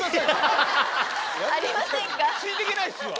ついてけないっすわ。